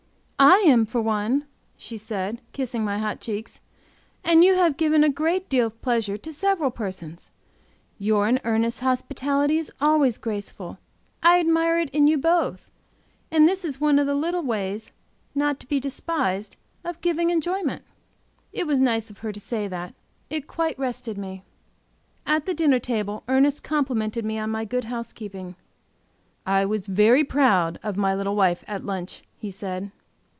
"I am for one," she said, kissing my hot cheeks; "and you have given a great deal of pleasure to several persons. Your and Ernest's hospitality is always graceful. I admire it in you both; and this is one of the little ways, not to be despised, of giving enjoyment." It was nice in her to say that, it quite rested me. At the dinner table Ernest complimented me on my good housekeeping. "I was proud of my little wife at lunch" he said.